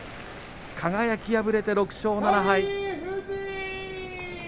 輝、敗れて６勝７敗。